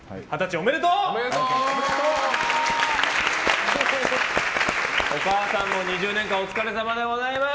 ありがとうございます。